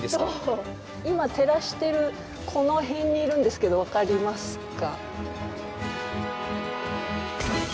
今照らしてるこの辺にいるんですけど分かりますか？